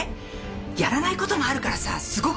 やらない事もあるからさすごく。